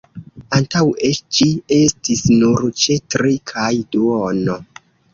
Antaŭe ĝi estis nur ĉe tri kaj duono.